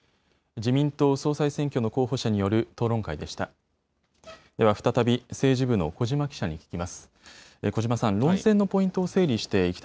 自民党総裁選挙の候補者による討論会でした。